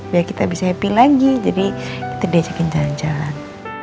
ya kita bisa happy lagi jadi kita diajakin jalan jalan